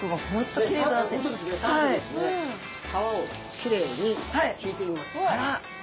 皮をきれいにひいてみます。